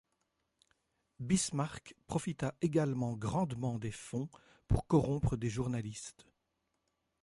Bismarck profita également grandement des fonds pour corrompre des journalistes.